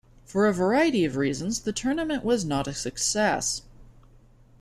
For a variety of reasons, the tournament was not a success.